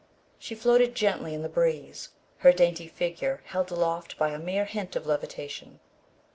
She floated gently in the breeze, her dainty figure held aloft by a mere hint of levitation.